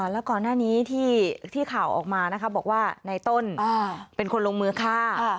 แล้วก่อนหน้านี้ที่ข่าวออกมานะคะบอกว่าในต้นเป็นคนลงมือฆ่า